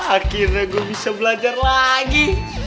akhirnya gue bisa belajar lagi